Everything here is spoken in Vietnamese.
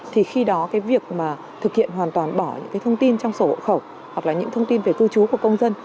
thì khi đó việc thực hiện hoàn toàn bỏ những thông tin trong sổ hộ khẩu hoặc là những thông tin về cư trú của công dân